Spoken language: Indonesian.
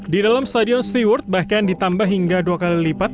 di dalam stadion steward bahkan ditambah hingga dua kali lipat